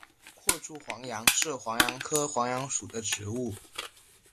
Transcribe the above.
阔柱黄杨是黄杨科黄杨属的植物。